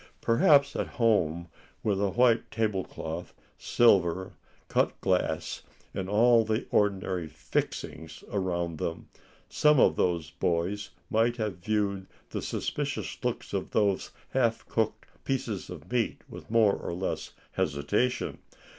Perhaps at home, with a white table cloth, silver, cut glass, and all the ordinary "fixings" around them, some of those boys might have viewed the suspicious looks of those half cooked pieces of meat with more or less hesitation.